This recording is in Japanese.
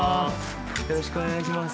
よろしくお願いします。